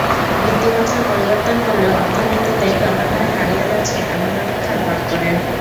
ভিত্তিবছর পরিবর্তন করলে অর্থনীতিতে ক্রমান্বয়ে হারিয়ে যাচ্ছে এমন অনেক খাত বাদ পড়ে।